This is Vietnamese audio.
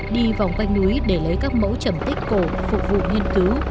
đi vòng quanh núi để lấy các mẫu trầm tích cổ phục vụ nghiên cứu